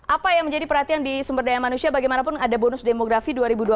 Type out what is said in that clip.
apa yang menjadi perhatian di sumber daya manusia bagaimanapun ada bonus demografi dua ribu dua puluh